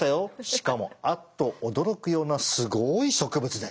しかもあっと驚くようなすごい植物で！